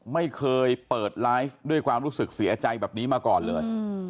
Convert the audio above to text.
ไม่เคยเปิดไลฟ์ด้วยความรู้สึกเสียใจแบบนี้มาก่อนเลย